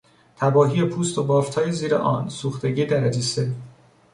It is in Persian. تباهی پوست و بافتهای زیر آن، سوختگی درجه سه